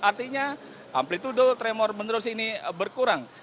artinya amplitude tremor menerus ini berkurang